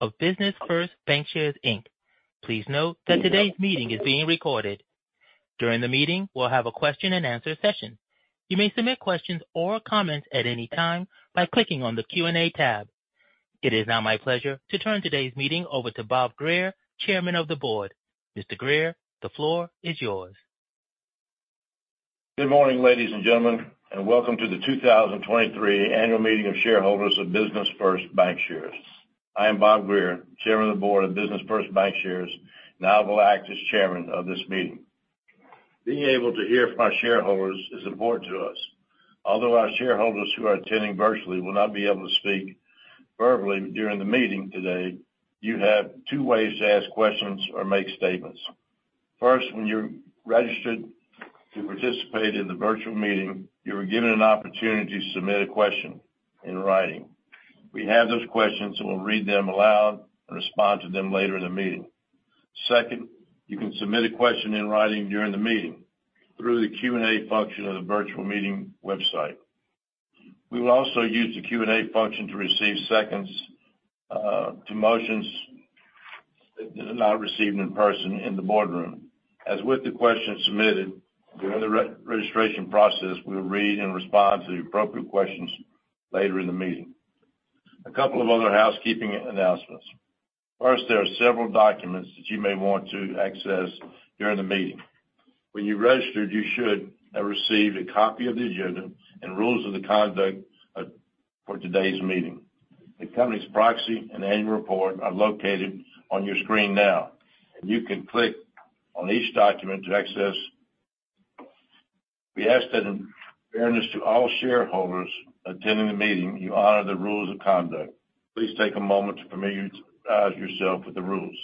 of Business First Bancshares Inc. Please note that today's meeting is being recorded. During the meeting, we'll have a question and answer session. You may submit questions or comments at any time by clicking on the Q&A tab. It is now my pleasure to turn today's meeting over to Bob Greer, Chairman of the Board. Mr. Greer, the floor is yours. Good morning, ladies and gentlemen, welcome to the 2023 annual meeting of shareholders of Business First Bancshares. I am Bob Greer, chairman of the board of Business First Bancshares, and I will act as chairman of this meeting. Being able to hear from our shareholders is important to us. Although our shareholders who are attending virtually will not be able to speak verbally during the meeting today, you have two ways to ask questions or make statements. First, when you registered to participate in the virtual meeting, you were given an opportunity to submit a question in writing. We have those questions, and we'll read them aloud and respond to them later in the meeting. Second, you can submit a question in writing during the meeting through the Q&A function of the virtual meeting website. We will also use the Q&A function to receive seconds to motions that are not received in person in the boardroom. As with the questions submitted during the re-registration process, we'll read and respond to the appropriate questions later in the meeting. A couple of other housekeeping announcements. First, there are several documents that you may want to access during the meeting. When you registered, you should have received a copy of the agenda and rules of the conduct for today's meeting. The company's proxy and annual report are located on your screen now. You can click on each document to access. We ask that in fairness to all shareholders attending the meeting, you honor the rules of conduct. Please take a moment to familiarize yourself with the rules.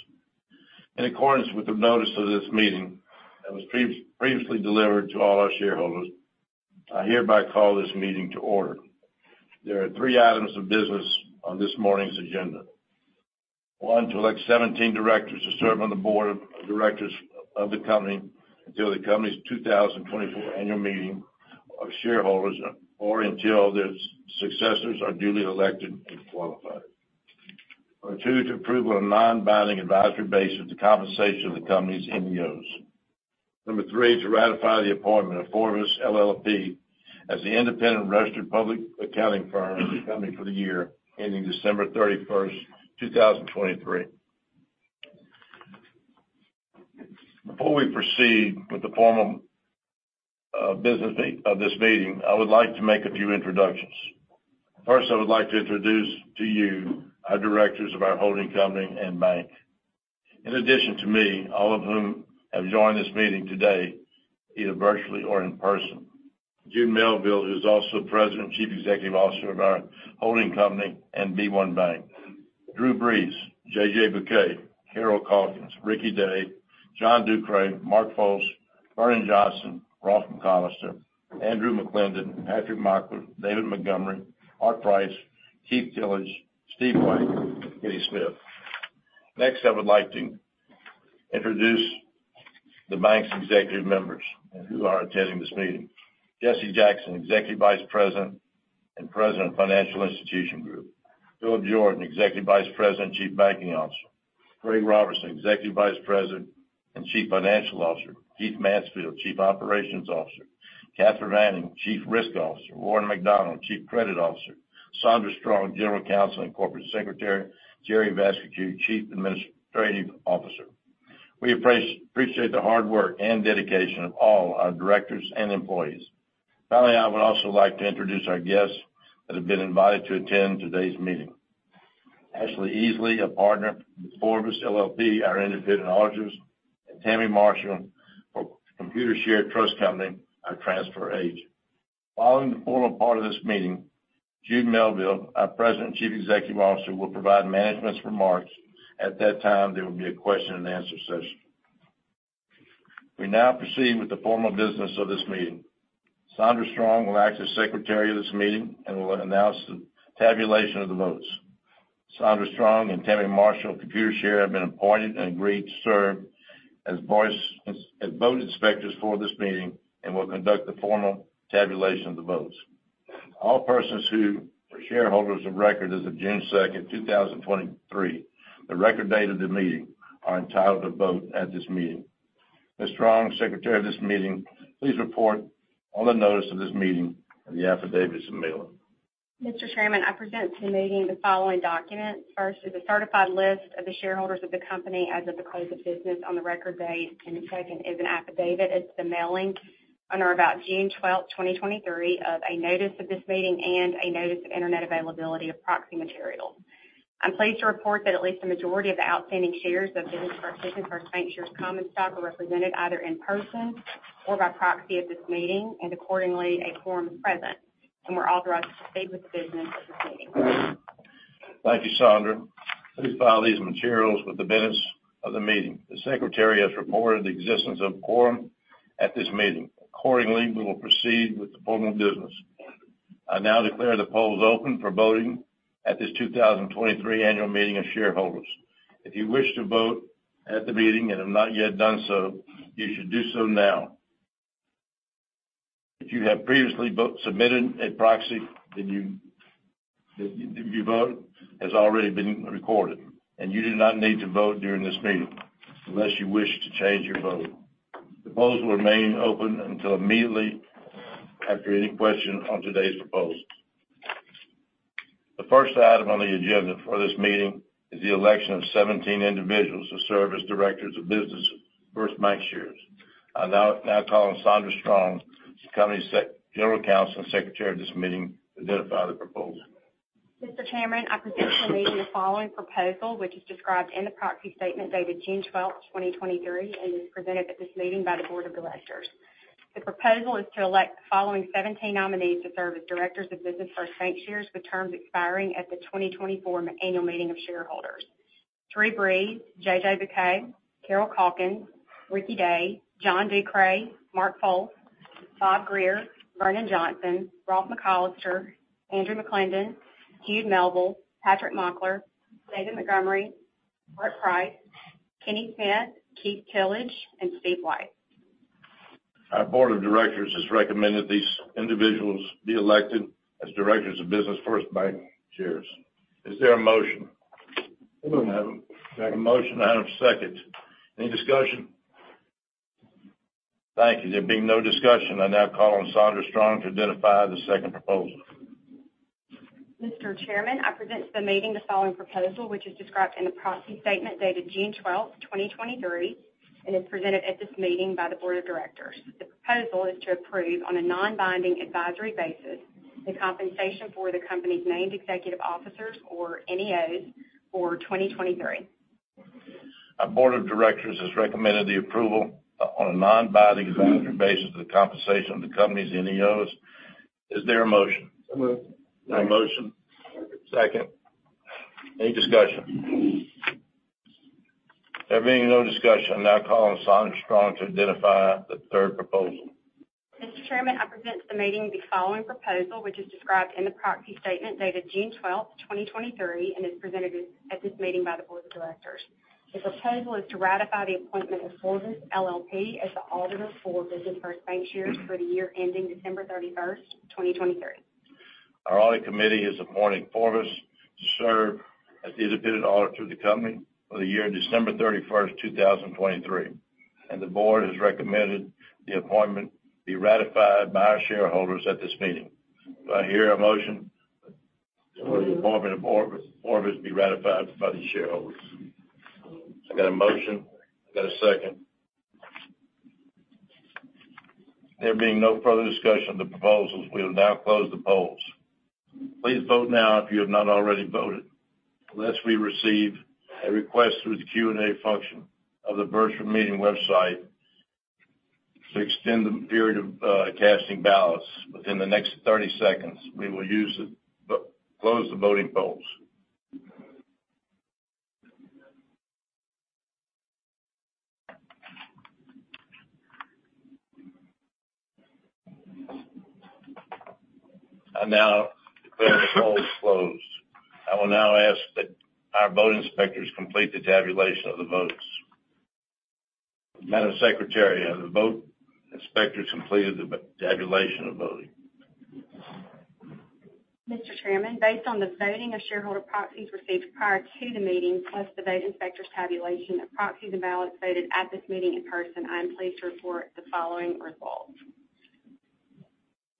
In accordance with the notice of this meeting that was previously delivered to all our shareholders, I hereby call this meeting to order. There are three items of business on this morning's agenda. One, to elect 17 directors to serve on the board of directors of the company until the company's 2024 annual meeting of shareholders, or until their successors are duly elected and qualified. Two, to approve on a non-binding advisory basis the compensation of the company's NEOs. three, to ratify the appointment of Forvis LLP as the independent registered public accounting firm of the company for the year ending December 31st, 2023. Before we proceed with the formal business date of this meeting, I would like to make a few introductions. First, I would like to introduce to you our directors of our holding company and bank. In addition to me, all of whom have joined this meeting today, either virtually or in person. Jude Melville, who is also President and Chief Executive Officer of our holding company and b1BANK. Drew Brees, J.J. Buquet, Carol Calkins, Ricky Day, John D. Ducrest, Mark N. Folse, Vernon Johnson, Rolfe H. McCollister, Jr., Andrew O. McLindon, Patrick Mockler, David Montgomery, Art Price, Keith A. Tillage, Steve White, Kenny Smith. Next, I would like to introduce the bank's executive members who are attending this meeting. Jesse Jackson, Executive Vice President and President of Financial Institution Group. Philip Jordan, Executive Vice President and Chief Banking Officer. Greg Robertson, Executive Vice President and Chief Financial Officer. Keith Mansfield, Chief Operations Officer. Kathryn Manning, Chief Risk Officer. Warren McDonald, Chief Credit Officer. Saundra Strong, General Counsel and Corporate Secretary. Jerry Vascocu, Chief Administrative Officer. We appreciate the hard work and dedication of all our directors and employees. Finally, I would also like to introduce our guests that have been invited to attend today's meeting. Ashley Eans, a partner with Forvis LLP, our independent auditors, and Tammy Marshall from Computershare Trust Company, our transfer agent. Following the formal part of this meeting, Jude Melville, our President and Chief Executive Officer, will provide management's remarks. At that time, there will be a question and answer session. We now proceed with the formal business of this meeting. Saundra Strong will act as secretary of this meeting and will announce the tabulation of the votes. Saundra Strong and Tammy Marshall of Computershare have been appointed and agreed to serve as vote inspectors for this meeting and will conduct the formal tabulation of the votes. All persons who are shareholders of record as of June second, 2023, the record date of the meeting, are entitled to vote at this meeting. Ms. Strong, Secretary of this meeting, please report on the notice of this meeting and the affidavits of mailing. Mr. Chairman, I present to the meeting the following documents. First is the certified list of the shareholders of the company as of the close of business on the record date. The second is an affidavit as to the mailing on or about June twelfth, 2023, of a notice of this meeting and a notice of internet availability of proxy materials. I'm pleased to report that at least a majority of the outstanding shares of Business First Bancshares common stock are represented either in person or by proxy at this meeting. Accordingly, a quorum is present. We're authorized to proceed with the business of the meeting. Thank you, Saundra. Please file these materials with the business of the meeting. The secretary has reported the existence of a quorum at this meeting. Accordingly, we will proceed with the formal business. I now declare the polls open for voting at this 2023 annual meeting of shareholders. If you wish to vote at the meeting and have not yet done so, you should do so now. If you have previously submitted a proxy, then your vote has already been recorded, and you do not need to vote during this meeting unless you wish to change your vote. The polls will remain open until immediately after any question on today's proposal. The first item on the agenda for this meeting is the election of 17 individuals to serve as directors of Business First Bancshares. I'll now call on Saundra Strong, the company's General Counsel and Secretary of this meeting, to identify the proposal. Mr. Chairman, I present to the meeting the following proposal, which is described in the proxy statement dated June 12, 2023, and is presented at this meeting by the Board of Directors. The proposal is to elect the following 17 nominees to serve as directors of Business First Bancshares, with terms expiring at the 2024 annual meeting of shareholders. Drew Brees, J.J. Buquet, Carol Calkins, Ricky Day, John D. Ducrest, Mark N. Folse, Bob Greer, Vernon Johnson, Rolfe McCollister Our board of directors has recommended these individuals be elected as directors of Business First Bancshares. Is there a motion? moved. I have a motion. I have a second. Any discussion? Thank you. There being no discussion, I now call on Saundra Strong to identify the second proposal. Mr. Chairman, I present to the meeting the following proposal, which is described in the proxy statement dated June 12, 2023, and is presented at this meeting by the board of directors. The proposal is to approve, on a non-binding advisory basis, the compensation for the company's named executive officers, or NEOs, for 2023. Our board of directors has recommended the approval, on a non-binding advisory basis, of the compensation of the company's NEOs. Is there a motion? moved. A motion. Second. Second. Any discussion? There being no discussion, I now call on Saundra Strong to identify the third proposal. Mr. Chairman, I present to the meeting the following proposal, which is described in the proxy statement dated June twelfth, 2023, and is presented at this meeting by the board of directors. The proposal is to ratify the appointment of Forvis LLP as the auditor for Business First Bancshares for the year ending December thirty-first, 2023. Our audit committee is appointing Forvis to serve as the independent auditor to the company for the year December 31, 2023. The board has recommended the appointment be ratified by our shareholders at this meeting. Do I hear a motion? moved. for the appointment of Forvis, Forvis be ratified by the shareholders? moved. I got a motion. I got a second. There being no further discussion on the proposals, we will now close the polls. Please vote now if you have not already voted. Unless we receive a request through the Q&A function of the virtual meeting website to extend the period of casting ballots within the next 30 seconds, we will close the voting polls. I now declare the polls closed. I will now ask that our vote inspectors complete the tabulation of the votes. Madam Secretary, have the vote inspectors completed the tabulation of voting? Mr. Chairman, based on the voting of shareholder proxies received prior to the meeting, plus the vote inspectors' tabulation of proxies and ballots voted at this meeting in person, I am pleased to report the following results.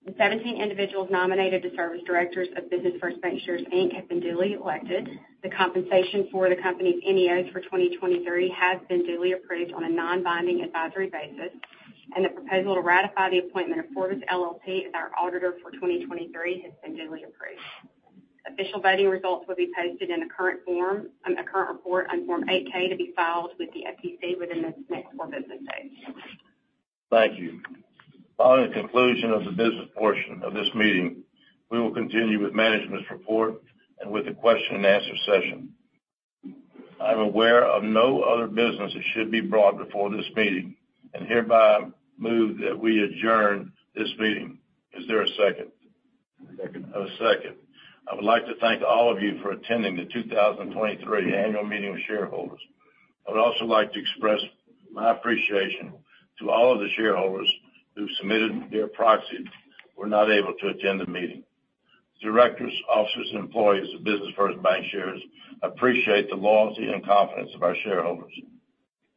The 17 individuals nominated to serve as directors of Business First Bancshares Inc have been duly elected. The compensation for the company's NEOs for 2023 has been duly approved on a non-binding advisory basis, and the proposal to ratify the appointment of Forvis LLP as our auditor for 2023 has been duly approved. Official voting results will be posted in the current form, on a current report on Form 8-K, to be filed with the SEC within the next four business days. Thank you. Following the conclusion of the business portion of this meeting, we will continue with management's report and with the question and answer session. I'm aware of no other business that should be brought before this meeting, hereby move that we adjourn this meeting. Is there a second? Second. I have a second. I would like to thank all of you for attending the 2023 annual meeting of shareholders. I would also like to express my appreciation to all of the shareholders who submitted their proxies, but were not able to attend the meeting. The directors, officers, and employees of Business First Bancshares appreciate the loyalty and confidence of our shareholders.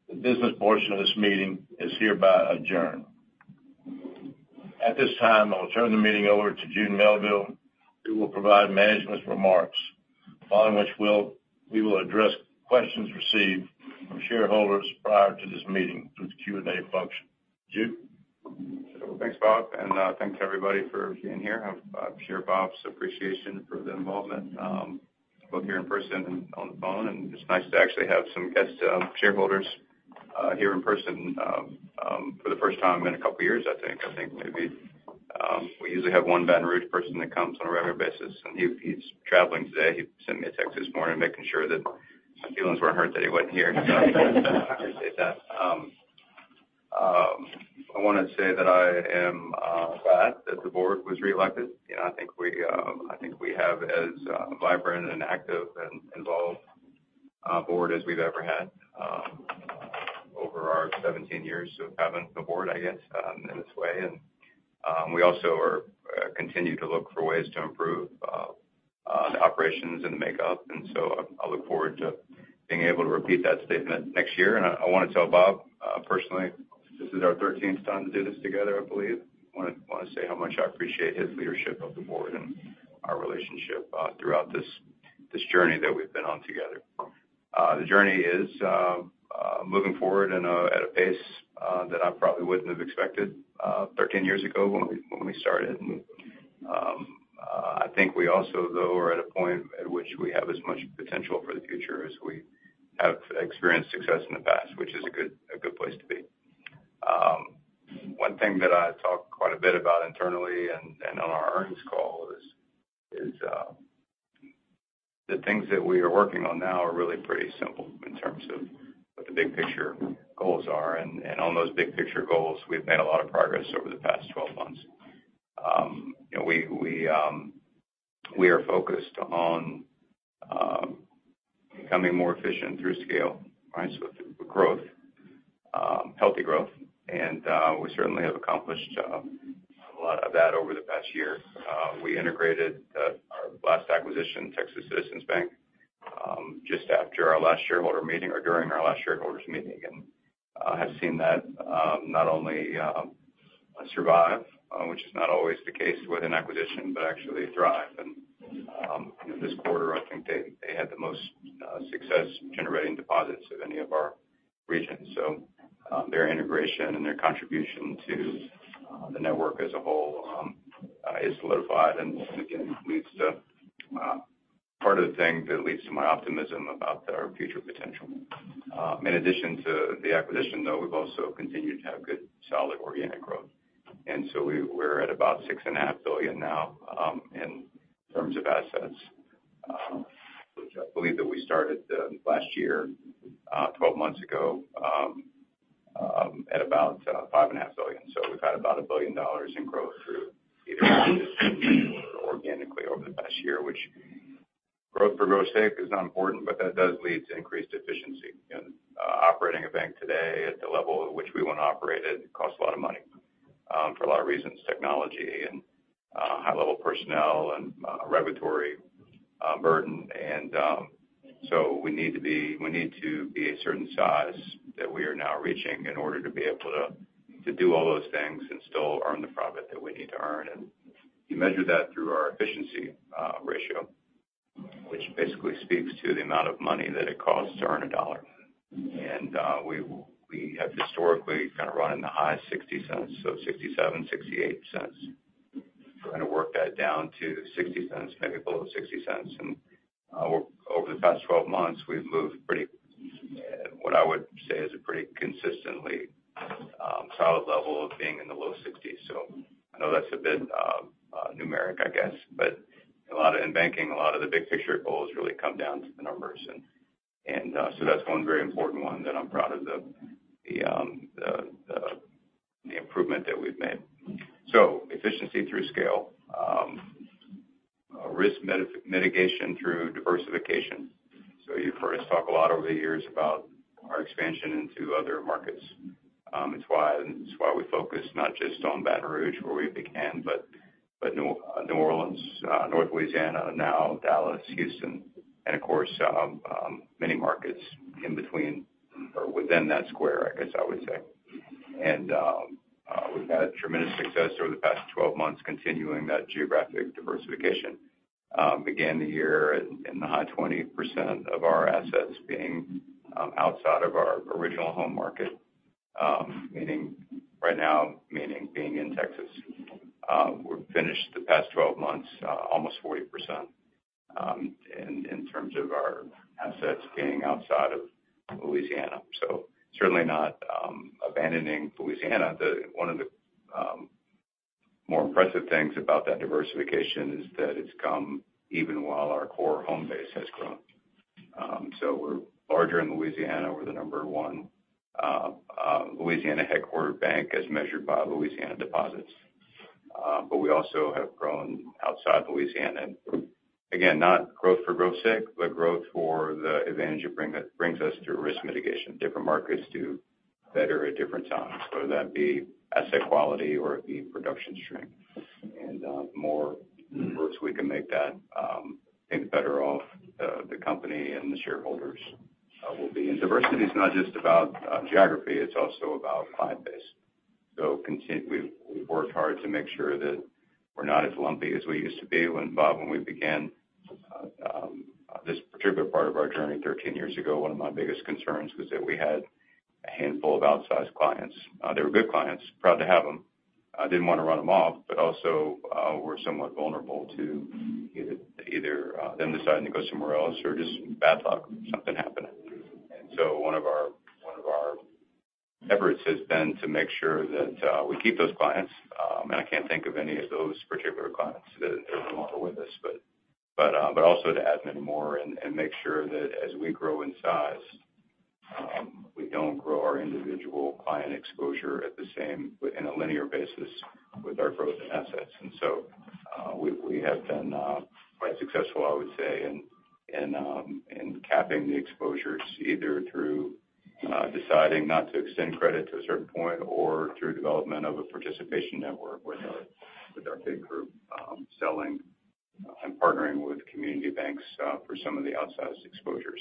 The business portion of this meeting is hereby adjourned. At this time, I will turn the meeting over to Jude Melville, who will provide management's remarks. Following which we will address questions received from shareholders prior to this meeting through the Q&A function. Jude? Thanks, Bob, thanks to everybody for being here. I share Bob's appreciation for the involvement, both here in person and on the phone, and it's nice to actually have some guest shareholders here in person for the first time in a couple of years, I think. I think maybe we usually have one Baton Rouge person that comes on a regular basis, and he's traveling today. He sent me a text this morning, making sure that my feelings weren't hurt, that he wasn't here. I appreciate that. I wanna say that I am glad that the board was reelected. You know, I think we, I think we have as vibrant and active and involved board as we've ever had over our 17 years of having the board, I guess, in this way. We also are continue to look for ways to improve on the operations and the makeup. I look forward to being able to repeat that statement next year. I want to tell Bob personally, this is our 13th time to do this together, I believe. I want to say how much I appreciate his leadership of the board and our relationship throughout this, this journey that we've been on together. The journey is moving forward in a at a pace that I probably wouldn't have expected 13 years ago when we started. I think we also, though, are at a point at which we have as much potential for the future as we have experienced success in the past, which is a good place to be. One thing that I talk quite a bit about internally and on our earnings call is the things that we are working on now are really pretty simple in terms of what the big picture goals are. On those big picture goals, we've made a lot of progress over the past 12 months. You know, we are focused on becoming more efficient through scale, right? Through growth, healthy growth, and we certainly have accomplished a lot of that over the past year. We integrated our last acquisition, Texas Citizens Bank, just after our last shareholder meeting or during our last shareholders meeting. Have seen that not only survive, which is not always the case with an acquisition, but actually thrive. You know, this quarter, I think they had the most success generating deposits of any of our regions. Their integration and their contribution to the network as a whole is solidified and again, leads to part of the thing that leads to my optimism about our future potential. In addition to the acquisition, though, we've also continued to have good, solid, organic growth. We're at about $6.5 billion now in terms of assets. Which I believe that we started the last year, 12 months ago, at about $5.5 billion. We've had about $1 billion in growth through organically over the past year, which growth for growth's sake is not important, but that does lead to increased efficiency. Operating a bank today at the level at which we want to operate it, costs a lot of money for a lot of reasons, technology and high level personnel and regulatory burden. We need to be a certain size that we are now reaching in order to be able to do all those things and still earn the profit that we need to earn. We measure that through our efficiency ratio, which basically speaks to the amount of money that it costs to earn a dollar. We have historically kind of run in the high $0.60, so $0.67, $0.68. We're going to work that down to $0.60, maybe below $0.60. Over the past 12 months, we've moved pretty, what I would say is a pretty consistently solid level of being in the low $0.60s. I know that's a bit numeric, I guess. A lot of in banking, a lot of the big picture goals really come down to the numbers. That's one very important one that I'm proud of the improvement that we've made. Efficiency through scale, risk mitigation through diversification. You've heard us talk a lot over the years about our expansion into other markets. It's why we focus not just on Baton Rouge, where we began, but New Orleans, North Louisiana, now Dallas, Houston, and of course, many markets in between or within that square, I guess I would say. We've had tremendous success over the past 12 months continuing that geographic diversification. Began the year in the high 20% of our assets being outside of our original home market. Meaning right now, meaning being in Texas. We've finished the past 12 months, almost 40% in terms of our assets being outside of Louisiana. Certainly not abandoning Louisiana. One of the more impressive things about that diversification is that it's come even while our core home base has grown. We're larger in Louisiana. We're the number one Louisiana headquarter bank, as measured by Louisiana deposits. We also have grown outside Louisiana. Again, not growth for growth's sake, but growth for the advantage it brings us through risk mitigation. Different markets do better at different times, whether that be asset quality or it be production strength. More diverse we can make that, I think better off the company and the shareholders will be. Diversity is not just about geography, it's also about client base. We've worked hard to make sure that we're not as lumpy as we used to be. When, Bob, when we began, this particular part of our journey 13 years ago, one of my biggest concerns was that we had a handful of outsized clients. They were good clients, proud to have them. I didn't want to run them off, but also, we're somewhat vulnerable to either them deciding to go somewhere else or just bad luck, something happening. One of our efforts has been to make sure that we keep those clients. I can't think of any of those particular clients that are no longer with us, but also to add many more and make sure that as we grow in size, we don't grow our individual client exposure at the same but in a linear basis with our growth in assets. we have been quite successful, I would say, in capping the exposures, either through deciding not to extend credit to a certain point or through development of a participation network with our big group, selling and partnering with community banks for some of the outsized exposure.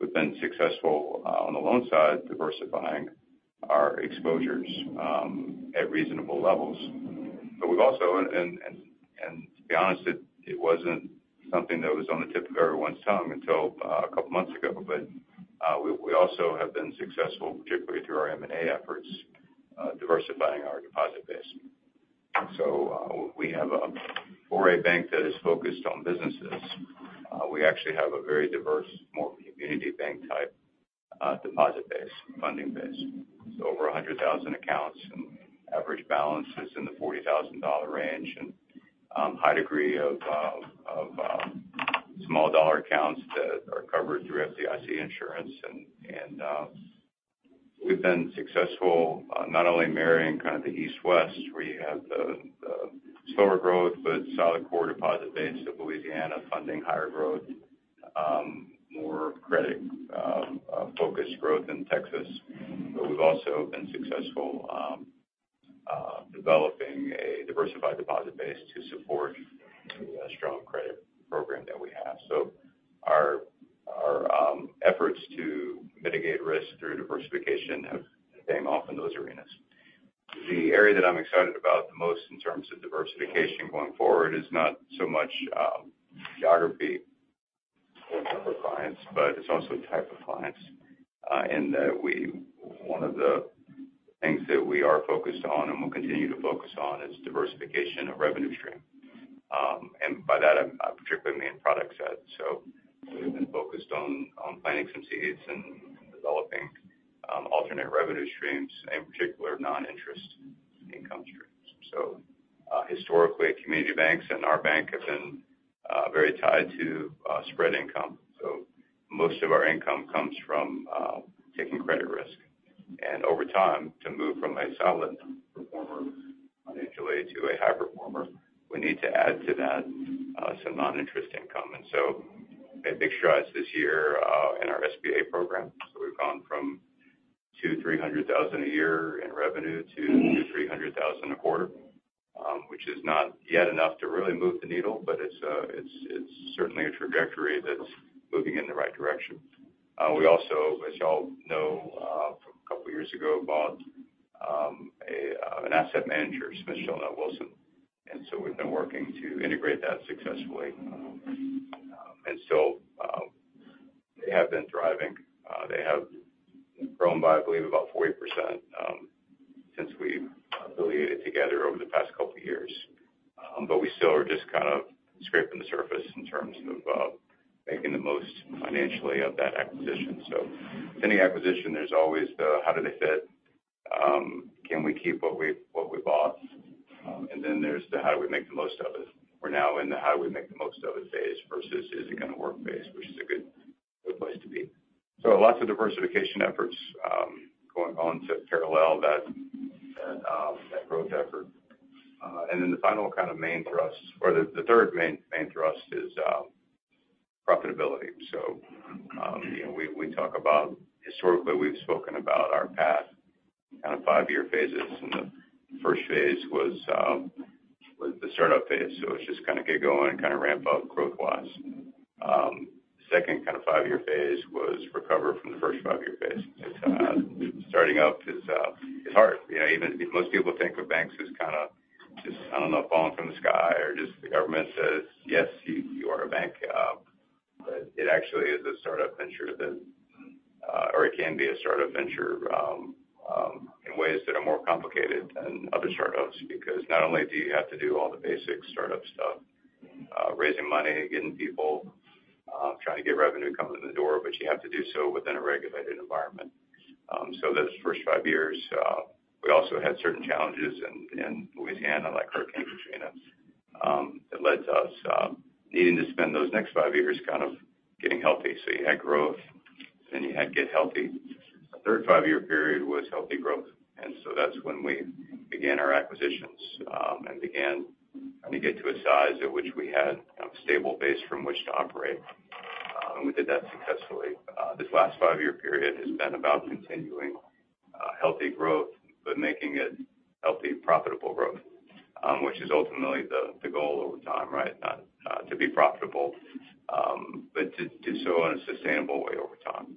We've been successful on the loan side, diversifying our exposures at reasonable levels. We've also, and to be honest, it wasn't something that was on the tip of everyone's tongue until a couple months ago, we also have been successful, particularly through our M&A efforts, diversifying our deposit base. We have a for a bank that is focused on businesses, we actually have a very diverse, more community bank-type deposit base, funding base. Over 100,000 accounts, and average balance is in the $40,000 range, and high degree of small dollar accounts that are covered through FDIC insurance. We've been successful not only marrying kind of the East/West, where you have the slower growth, but solid core deposit base of Louisiana funding higher growth, more credit focused growth in Texas. We've also been successful developing a diversified deposit base to support the strong credit program that we have. Our efforts to mitigate risk through diversification have paid off in those arenas. The area that I'm excited about the most in terms of diversification going forward is not so much geography or number of clients, but it's also type of clients, in that one of the things that we are focused on and will continue to focus on, is diversification of revenue stream. By that, I, I particularly mean product set. We've been focused on, on planting some seeds and developing alternate revenue streams, in particular, non-interest income streams. Historically, community banks and our bank have been very tied to spread income. Most of our income comes from taking credit risk. Over time, to move from a solid performer financially to a high performer, we need to add to that some non-interest income. Made big strides this year in our SBA program. We've gone from $200,000-$300,000 a year in revenue to $300,000 a quarter. Which is not yet enough to really move the needle, but it's certainly a trajectory that's moving in the right direction. We also, as you all know, from two years ago, bought an asset manager, Smith Shellnut Wilson. We've been working to integrate that successfully. They have been thriving. They have grown by, I believe, about 40%, since we've affiliated together over the past two years. We still are just kind of scraping the surface in terms of making the most financially of that acquisition. Any acquisition, there's always the, how do they fit? Can we keep what we bought? Then there's the, how do we make the most of it? We're now in the how do we make the most of it phase versus is it going to work phase, which is a good place to be. Lots of diversification efforts going on to parallel that growth effort. Then the final kind of main thrust or the third main thrust is profitability. You know, historically, we've spoken about our past kind of five-year phases, and the first phase was the startup phase. It's just kind of get going and kind of ramp up growth-wise. Second kind of five-year phase was recover from the first five-year phase. Because starting up is hard. You know, even most people think of banks as kind of just, I don't know, falling from the sky or just the government says, "Yes, you, you are a bank." It actually is a startup venture that, or it can be a startup venture, in ways that are more complicated than other startups. Not only do you have to do all the basic startup stuff, raising money, getting people, trying to get revenue coming in the door, but you have to do so within a regulated environment. Those first five years, we also had certain challenges in, in Louisiana, like Hurricane Katrina, that led to us, needing to spend those next five years kind of getting healthy. You had growth, then you had to get healthy. The third five-year period was healthy growth, and so that's when we began our acquisitions, and began to get to a size at which we had a stable base from which to operate. We did that successfully. This last five-year period has been about continuing healthy growth, but making it healthy, profitable growth, which is ultimately the, the goal over time, right? Not to be profitable, but to do so in a sustainable way over time.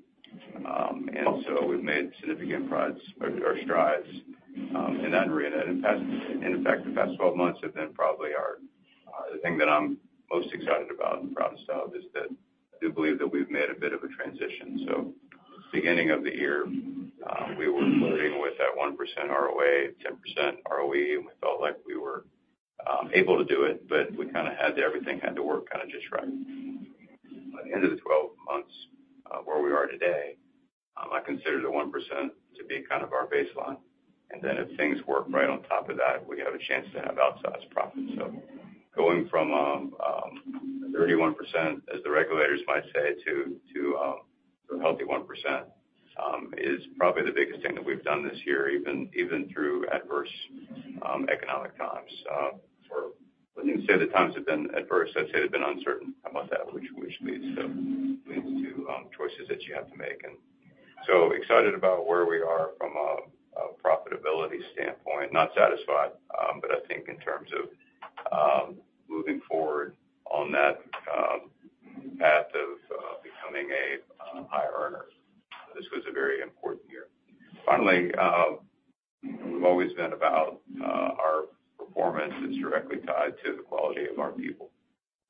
We've made significant progress or strides in that arena. In fact, the past 12 months have been probably our, the thing that I'm most excited about and proudest of, is that I do believe that we've made a bit of a transition. Beginning of the year, we were floating with that 1% ROA, 10% ROE, and we felt like we were able to do it, but we kind of had everything had to work kind of just right. By the end of the 12 months, where we are today, I consider the 1% to be kind of our baseline, and then if things work right on top of that, we have a chance to have outsized profits. Going from 31%, as the regulators might say, to a healthy 1%, is probably the biggest thing that we've done this year, even through adverse economic times. I wouldn't say the times have been adverse, I'd say they've been uncertain about that, which leads to choices that you have to make. Excited about where we are from a profitability standpoint, not satisfied, but I think in terms of moving forward on that path of becoming a higher earner, this was a very important year. Finally, we've always been about our performance that's directly tied to the quality of our people.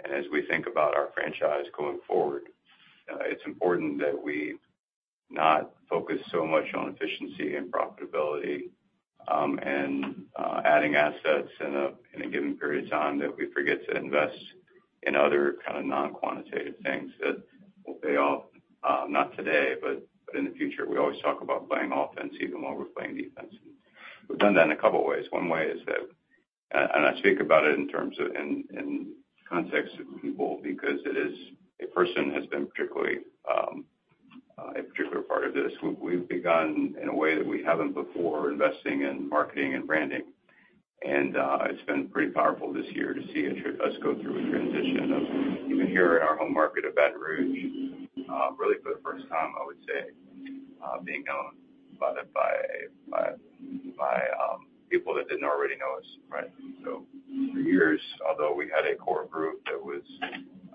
As we think about our franchise going forward, it's important that we not focus so much on efficiency and profitability, and adding assets in a given period of time, that we forget to invest in other kind of non-quantitative things that will pay off, not today, but in the future. We always talk about playing offense even while we're playing defense. We've done that in a couple of ways. One way is that, I speak about it in terms of, in, in context of people, because it is a person, has been particularly a particular part of this. We've begun in a way that we haven't before, investing in marketing and branding. It's been pretty powerful this year to see us go through a transition of even here in our home market of Baton Rouge, really for the first time, I would say, being known by the people that didn't already know us, right? For years, although we had a core group that was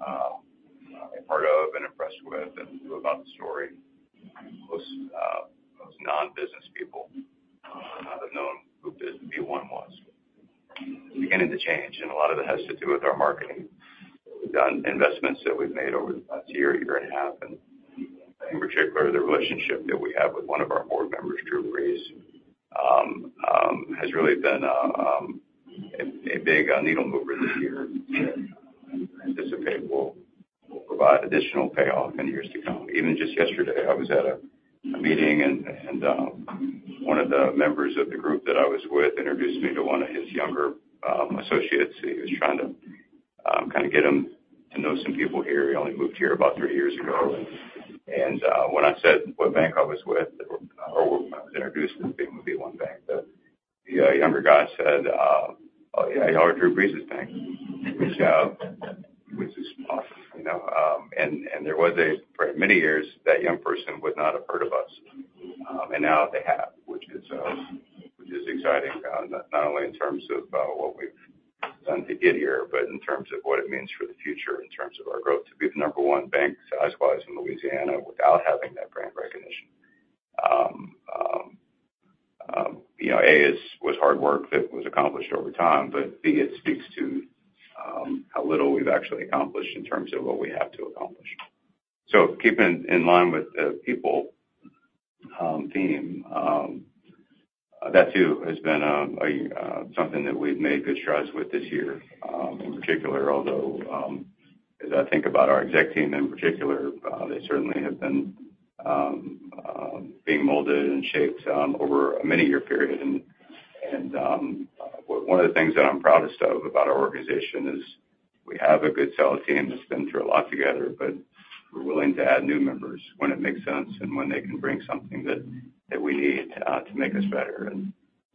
a part of and impressed with and knew about the story, most non-business people have known who b1 was. Beginning to change, and a lot of it has to do with our marketing. We've done investments that we've made over the past year, year and a half, and in particular, the relationship that we have with one of our board members, Drew Brees, has really been a big needle mover this year, that I anticipate will provide additional payoff in years to come. Even just yesterday, I was at a meeting and one of the members of the group that I was with introduced me to one of his younger associates. He was trying to kind of get him to know some people here. He only moved here about three years ago. When I said what bank I was with, or I was introduced as being with b1BANK, the younger guy said, "Oh, yeah, y'all are Drew Brees' bank," which is tough, you know? There was for many years, that young person would not have heard of us. Now they have, which is exciting, not only in terms of, what we've done to get here, but in terms of what it means for the future, in terms of our growth. To be the number one bank, size-wise, in Louisiana without having that brand recognition, you know, A, was hard work that was accomplished over time, but B, it speaks to, how little we've actually accomplished in terms of what we have to accomplish. Keeping in line with the people, theme, that too, has been something that we've made good strides with this year. In particular, although, as I think about our exec team in particular, they certainly have been being molded and shaped over a many-year period. One of the things that I'm proudest of about our organization is we have a good solid team that's been through a lot together, but we're willing to add new members when it makes sense, and when they can bring something that, that we need to make us better.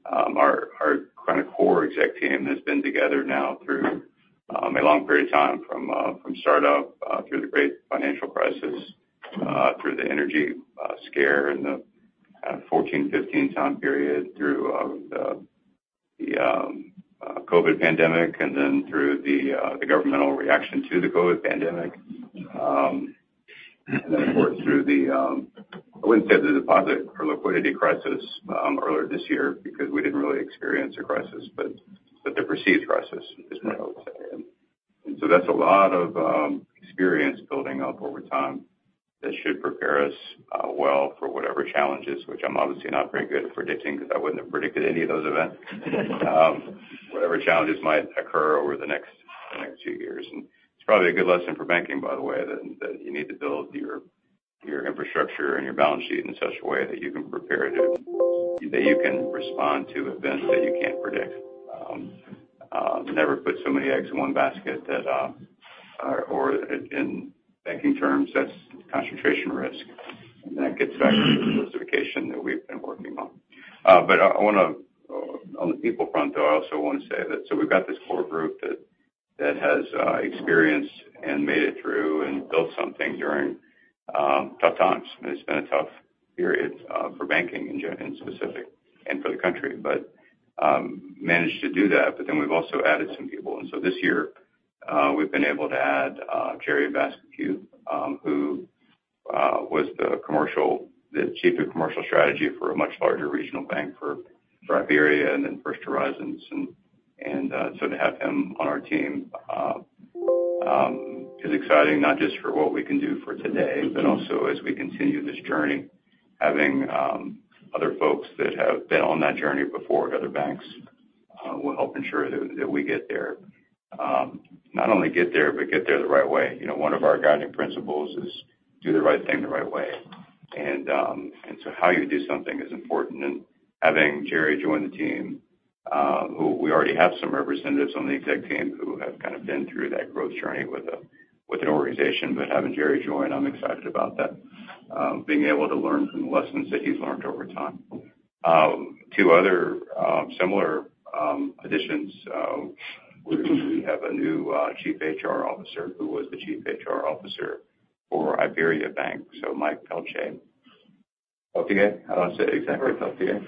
Our kind of core exec team has been together now through a long period of time, from startup, through the great financial crisis, through the energy scare in the 2014, 2015 period, through the COVID pandemic, and then through the governmental reaction to the COVID pandemic. Of course, through the I wouldn't say the deposit or liquidity crisis earlier this year, because we didn't really experience a crisis, but the perceived crisis is what I would say. That's a lot of experience building up over time that should prepare us well for whatever challenges, which I'm obviously not very good at predicting, because I wouldn't have predicted any of those events. Whatever challenges might occur over the next few years. It's probably a good lesson for banking, by the way, that you need to build your infrastructure and your balance sheet in such a way that you can respond to events that you can't predict. Never put so many eggs in one basket that or in banking terms, that's concentration risk. That gets back to the diversification that we've been working on. I, I wanna, on the people front, though, I also want to say that we've got this core group that has experience and made it through and built something during tough times. It's been a tough period for banking in specific and for the country, but managed to do that. We've also added some people. This year, we've been able to add Jerry Vascocu, who was the Chief of Commercial Strategy for a much larger regional bank for Thrive Area and then First Horizon. To have him on our team is exciting, not just for what we can do for today, but also as we continue this journey. Having other folks that have been on that journey before at other banks will help ensure that we get there. Not only get there, get there the right way. You know, one of our guiding principles is, "Do the right thing, the right way." How you do something is important, and having Jerry join the team, who we already have some representatives on the exec team who have kind of been through that growth journey with a, with an organization. Having Jerry join, I'm excited about that, being able to learn from the lessons that he's learned over time. Two other similar additions, we have a new Chief HR Officer, who was the Chief HR Officer for IBERIABANK. Michael Peltier. Peltier? How do I say it exactly, Peltier?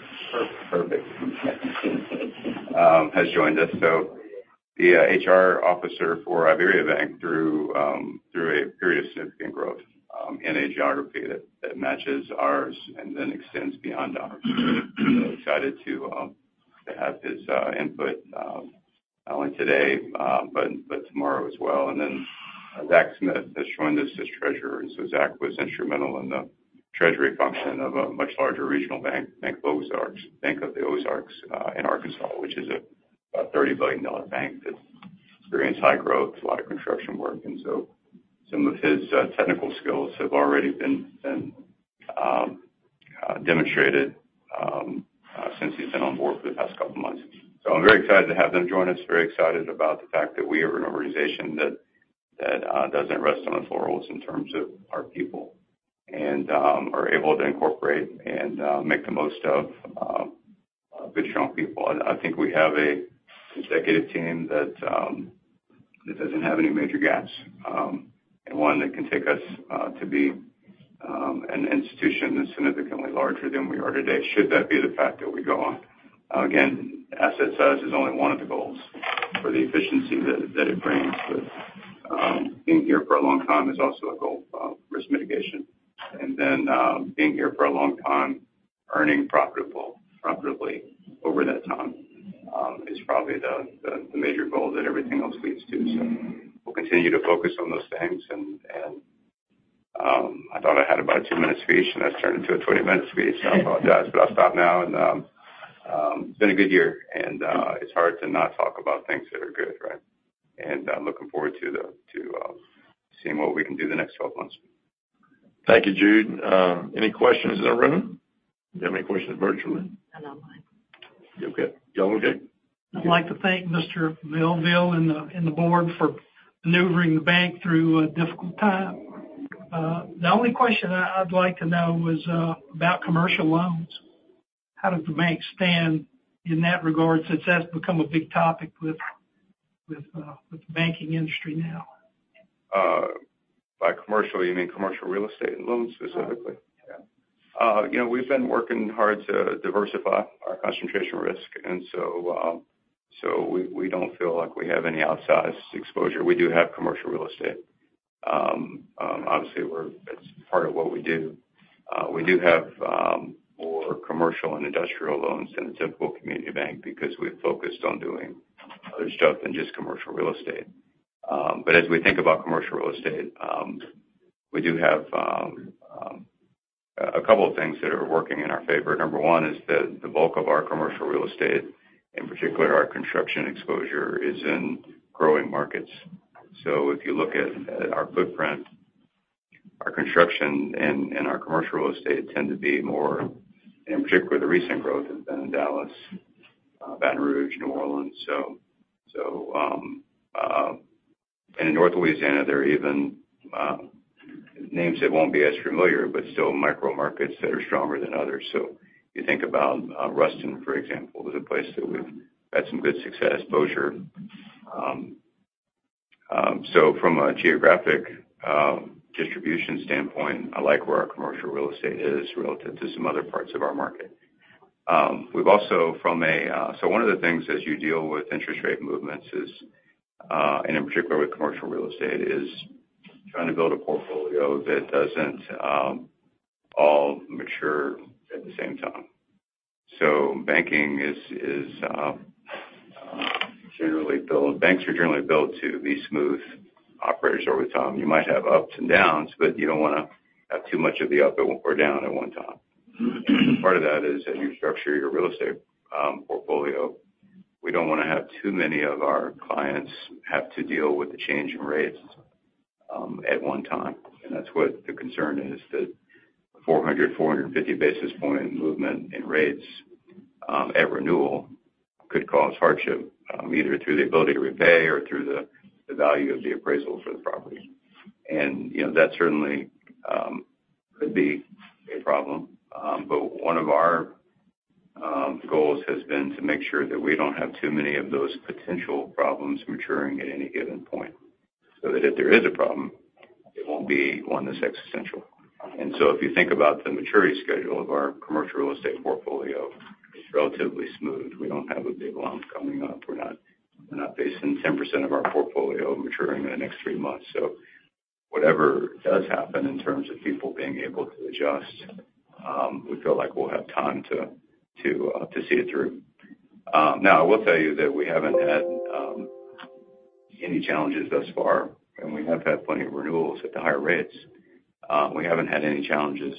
Perfect. Perfect. has joined us. The HR officer for IBERIABANK through a period of significant growth in a geography that matches ours and then extends beyond ours. Excited to have his input not only today but tomorrow as well. Zach Smith has joined us as treasurer. Zach was instrumental in the treasury function of a much larger regional bank, Bank of the Ozarks, in Arkansas, which is a about $30 billion bank that's experienced high growth, a lot of construction work. Some of his technical skills have already been demonstrated since he's been on board for the past two months. I'm very excited to have them join us. Very excited about the fact that we are an organization that doesn't rest on our laurels in terms of our people and are able to incorporate and make the most of good, strong people. I think we have a executive team that doesn't have any major gaps, and one that can take us to be an institution that's significantly larger than we are today, should that be the fact that we go on. Again, asset size is only one of the goals for the efficiency that it brings. Being here for a long time is also a goal of risk mitigation. Being here for a long time, earning profitably over that time, is probably the major goal that everything else leads to. We'll continue to focus on those things and, I thought I had about a two-minute speech, and that's turned into a 20-minute speech. I apologize, but I'll stop now. It's been a good year, and it's hard to not talk about things that are good, right? I'm looking forward to the seeing what we can do the next 12 months. Thank you, Jude. Any questions in the room? Do you have any questions virtually? None online. You okay? You all okay? I'd like to thank Mr. Melville and the board for maneuvering the bank through a difficult time. The only question I'd like to know is about commercial loans. How does the bank stand in that regard, since that's become a big topic with the banking industry now? By commercial, you mean commercial real estate loans specifically? Yeah. You know, we've been working hard to diversify our concentration risk, we don't feel like we have any outsized exposure. We do have commercial real estate. Obviously, it's part of what we do. We do have more commercial and industrial loans than a typical community bank because we've focused on doing other stuff than just commercial real estate. As we think about commercial real estate, we do have a couple of things that are working in our favor. Number one is that the bulk of our commercial real estate, in particular, our construction exposure, is in growing markets. If you look at our footprint, our construction and our commercial real estate tend to be more, in particular, the recent growth has been in Dallas, Baton Rouge, New Orleans. In North Louisiana, there are even names that won't be as familiar, but still micro markets that are stronger than others. You think about Ruston, for example, is a place that we've had some good success exposure. From a geographic distribution standpoint, I like where our commercial real estate is relative to some other parts of our market. We've also one of the things as you deal with interest rate movements is, and in particular with commercial real estate, is trying to build a portfolio that doesn't all mature at the same time. Banks are generally built to be smooth operators over time. You might have ups and downs, but you don't wanna have too much of the up or down at one time. Part of that is, as you structure your real estate portfolio, we don't wanna have too many of our clients have to deal with the change in rates at one time. That's what the concern is, that 400-450 basis point movement in rates at renewal, could cause hardship either through the ability to repay or through the value of the appraisal for the property. You know, that certainly could be a problem. One of our goals has been to make sure that we don't have too many of those potential problems maturing at any given point, so that if there is a problem, it won't be one that's existential. If you think about the maturity schedule of our commercial real estate portfolio, it's relatively smooth. We don't have a big lump coming up. We're not facing 10% of our portfolio maturing in the next three months. Whatever does happen in terms of people being able to adjust, we feel like we'll have time to see it through. Now, I will tell you that we haven't had any challenges thus far, and we have had plenty of renewals at the higher rates. We haven't had any challenges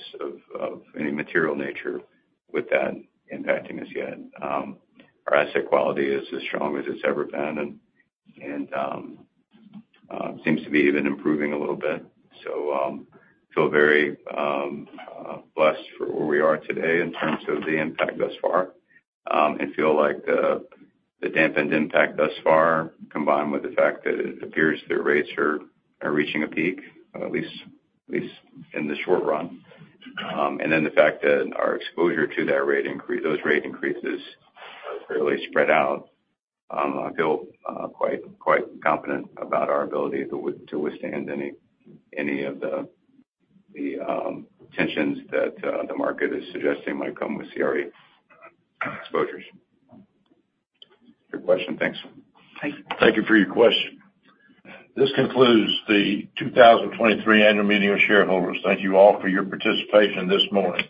of any material nature with that impacting us yet. Our asset quality is as strong as it's ever been and seems to be even improving a little bit. Feel very blessed for where we are today in terms of the impact thus far. And feel like the dampened impact thus far, combined with the fact that it appears that rates are reaching a peak, at least in the short run. And then the fact that our exposure to that rate increase-- those rate increases, are fairly spread out. I feel quite confident about our ability to withstand any of the tensions that the market is suggesting might come with CRE exposures. Good question. Thanks. Thank you. Thank you for your question. This concludes the 2023 annual meeting of shareholders. Thank you all for your participation this morning.